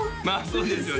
そうですよね